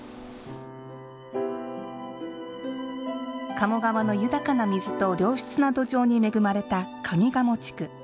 鴨川の豊かな水と良質な土壌に恵まれた上賀茂地区。